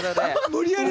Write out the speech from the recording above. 無理やり。